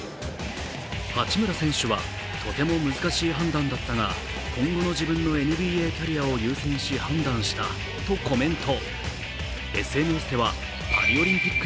八村選手はとても難しい判断だったが今後の自分のＮＢＡキャリアを優先し判断したとコメント。